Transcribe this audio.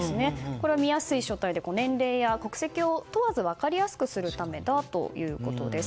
これは見やすい書体で年齢や国籍を問わず分かりやすくするためだということです。